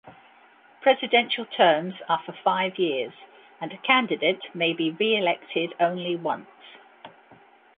Presidential terms are for five years, and a candidate may be re-elected only once.